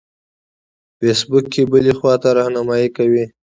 فیسبوک بلې خواته رهنمایي کوي.